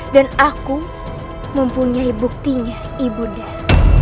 dan aku mempunyai buktinya ibu darah